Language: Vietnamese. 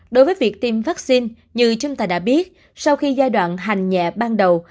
đối với việc tiêm vaccine như chúng ta đã biết sau khi giai đoạn hành nhẹ ban đầu